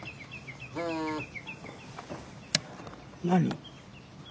何？